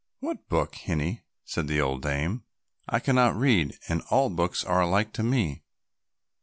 "What book, hinnie?" said the old dame. "I cannot read and all books are alike to me."